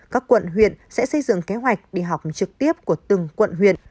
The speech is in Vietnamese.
các quận huyện sẽ xây dựng kế hoạch đi học trực tiếp của từng quận huyện